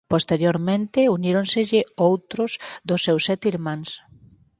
Posteriormente uníronselle outros dos seus sete irmáns.